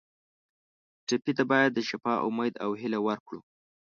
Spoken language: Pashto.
ټپي ته باید د شفا امید او هیله ورکړو.